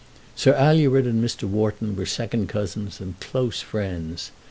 Sir Alured and Mr. Wharton were second cousins, and close friends.